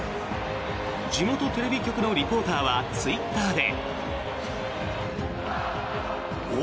地元テレビ局のリポーターはツイッターで。